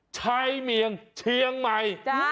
ชัยเมียงเชียงใหม่